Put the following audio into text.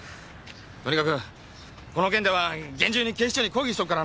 とにかくこの件では厳重に警視庁に抗議しとくからな。